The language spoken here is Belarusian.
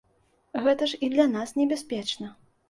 Гэта ж і для нас небяспечна.